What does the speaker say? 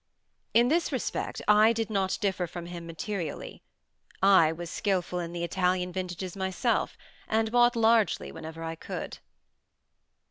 In this respect I did not differ from him materially: I was skilful in the Italian vintages myself, and bought largely whenever I could.